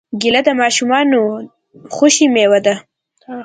کېله د ماشومانو خوښې مېوه ده.